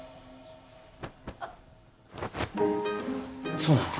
そうなのか？